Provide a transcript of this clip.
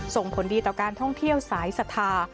ส่งผลดีต่อการท่องเที่ยวสายศรัทธา